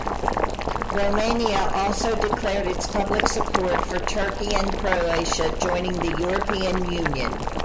Romania also declared its public support for Turkey and Croatia joining the European Union.